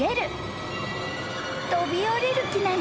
［飛び降りる気なの？］